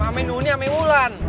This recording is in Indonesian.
ada nuni ada mulan